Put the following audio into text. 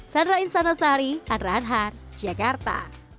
saya raih insanosari adra anhar jakarta